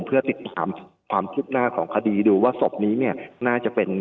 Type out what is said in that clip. เพื่อติดตามความพลุกหน้าของคดีดูว่าสภนี้น่าจะเป็น